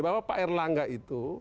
bahwa pak erlangga itu